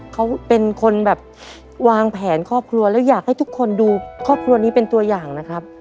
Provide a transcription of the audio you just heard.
เขาเป็นคนแบบวางแผนครอบครัวแล้วอยากให้ทุกคนดูครอบครัวนี้เป็นตัวอย่างนะครับ